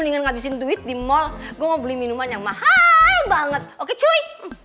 pengen ngabisin duit di mal gua beli minuman yang mahal banget oke cuy